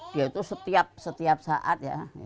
dia itu setiap saat